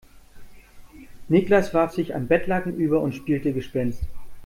Niklas warf sich ein Bettlaken über und spielte Gespenst.